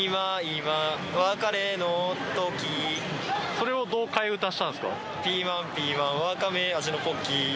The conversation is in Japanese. それをどう替え歌したんですか？